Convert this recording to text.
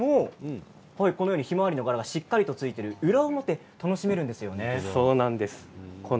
裏を見てみましても柄がしっかりついていて裏表、楽しめるんですよね。